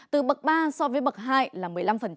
từ bậc ba so với bậc hai là một mươi năm